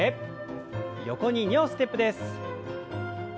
横に２歩ステップです。